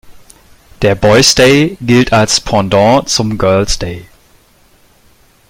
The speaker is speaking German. Der Boys’ Day gilt als Pendant zum Girls’ Day.